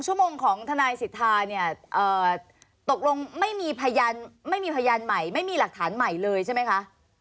๒ชั่วโมงของธนายศิษฐาตกลงไม่มีพยานใหม่ไม่มีหลักฐานใหม่เลยใช่ไหมคะ